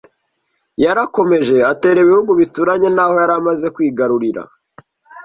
yarakomeje atera ibihugu bituranye naho yari amaze kwigarurira